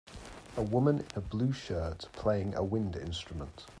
A woman in a blue shirt playing a wind instrument.